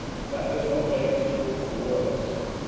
That does not make his book the worse.